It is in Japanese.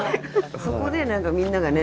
そこで何かみんながね